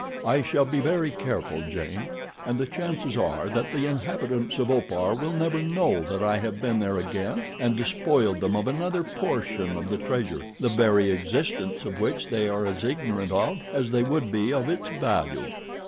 "I shall be very careful, Jane, and the chances are that the inhabitants of Opar will never know that I have been there again and despoiled them of another portion of the treasure, the very existence of which they are as ignorant of as they would be of its value."